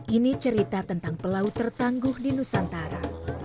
ini cerita tentang pelaut tertangguh di nusantara